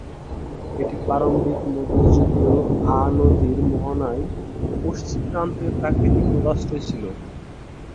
এটি প্রারম্ভিক মধ্যযুগীয় আ নদীর মোহনার পশ্চিম প্রান্তের প্রাকৃতিক পোতাশ্রয় ছিল।